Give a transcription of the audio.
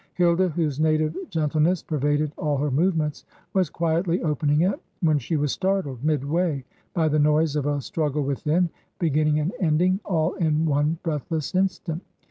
Hilda (whose native gentle ness pervaded all her movements) was quietly opening it, when she was startled, midway, by the noise of a struggle within, beginning and ending all in one breath less instant.